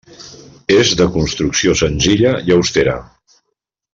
És de construcció senzilla i austera.